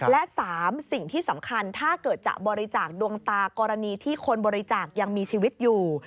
และ๓สิ่งที่สำคัญถ้าเกิดจะบริจาคดวงตากรณีที่คนบริจาคยังมีชีวิตอยู่